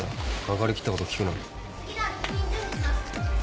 分かりきったこと聞くな。